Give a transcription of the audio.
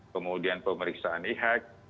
kemudian pemeriksaan ihec